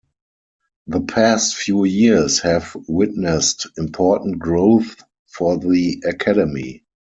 The past few years have witnessed important growth for the Academy.